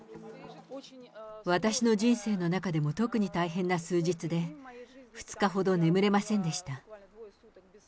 私の人生の中でも特に大変な数日で、２日ほど眠れませんでした。